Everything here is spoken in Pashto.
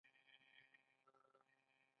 تاریخ هلته خبرې کوي.